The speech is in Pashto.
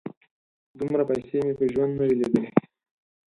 _دومره پيسې مې په ژوند نه وې لېدلې.